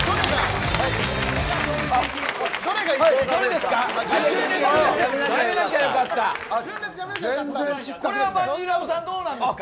どれですか？